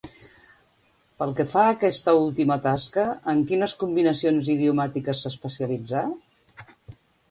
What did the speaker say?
Pel que fa a aquesta última tasca, en quines combinacions idiomàtiques s'especialitzà?